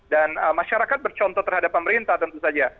dan masyarakat bercontoh terhadap pemerintah tentu saja